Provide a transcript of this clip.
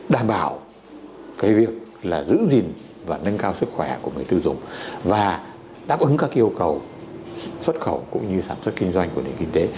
đảm bảo cái việc là giữ gìn và nâng cao sức khỏe của người tiêu dùng và đáp ứng các yêu cầu xuất khẩu cũng như sản xuất kinh doanh của nền kinh tế